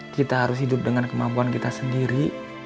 kita harus hidup dengan kemampuan kita sendiri